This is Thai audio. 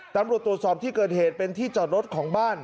ตำรวจตรวจสอบที่เกิดเหตุเป็นที่จอดรถของบ้าน